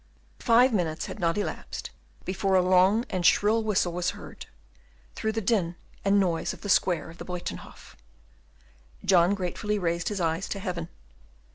Five minutes had not elapsed, before a long and shrill whistle was heard through the din and noise of the square of the Buytenhof. John gratefully raised his eyes to heaven.